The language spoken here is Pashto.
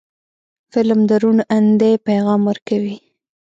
فلم د روڼ اندۍ پیغام ورکوي